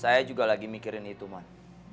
saya juga lagi mikirin itu mas